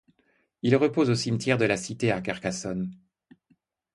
Il repose au cimetière de la Cité à Carcassonne.